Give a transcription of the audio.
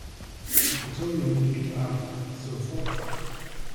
Die Betonung liegt auf sofort.